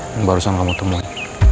yang barusan kamu temuin